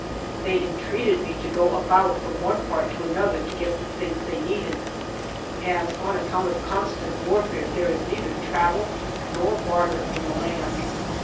They entreated me to go about from one part to another to get the things they needed, as on account of constant warfare there is neither travel nor barter in the land.